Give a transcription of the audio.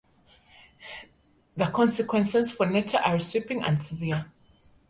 The consequences for nature are sweeping and severe.